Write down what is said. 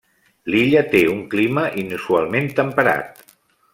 L'illa té un clima inusualment temperat.